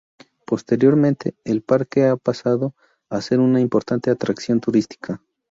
Posteriormente, el parque ha pasado a ser una importante atracción turística.